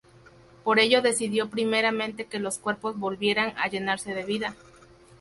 Por ello decidió primeramente que los cuerpos volvieran a llenarse de vida.